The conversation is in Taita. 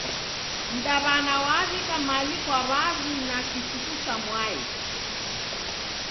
Mdaw'ana waw'ika mali kwa w'avi na kichuku cha mwai.